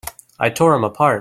I tore him apart!